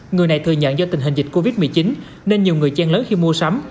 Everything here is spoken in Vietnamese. người này thừa nhận do tình hình dịch covid một mươi chín nên nhiều người chen lấn khi mua sắm